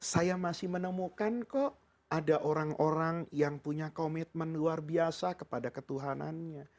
saya masih menemukan kok ada orang orang yang punya komitmen luar biasa kepada ketuhanannya